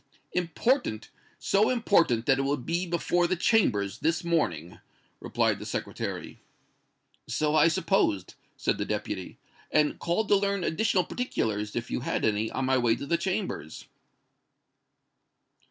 "Important! So important that it will be before the Chambers this morning," replied the Secretary. "So I supposed," said the Deputy, "and called to learn additional particulars, if you had any, on my way to the Chambers."